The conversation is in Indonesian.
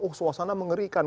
uh suasana mengerikan